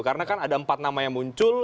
karena kan ada empat nama yang muncul